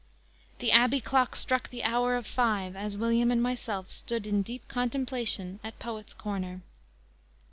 The Abbey clock struck the hour of five as William and myself stood in deep contemplation at Poets' corner.